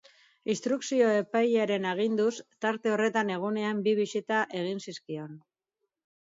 Instrukzio epailearen aginduz, tarte horretan egunean bi bisita egin zizkion.